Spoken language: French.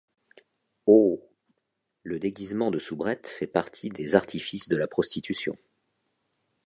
Au le déguisement de soubrette fait partie des artifices de la prostitution.